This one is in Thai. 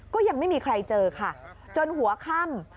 ก็ยังไม่มีใครเจอค่ะจนหัวค่ำ